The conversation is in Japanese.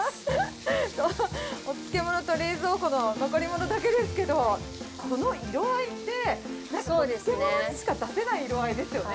お漬物と冷蔵庫の残りものだけですけど、この色合いって、確かに漬物にしか出せない色合いですよね。